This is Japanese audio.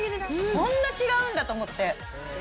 こんな違うんだと思って。